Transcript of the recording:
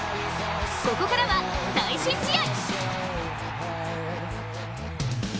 ここからは最新試合。